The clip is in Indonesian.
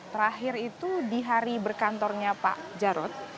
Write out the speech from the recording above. terakhir itu di hari berkantornya pak jarod